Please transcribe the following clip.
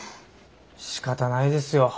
しかたないですよ。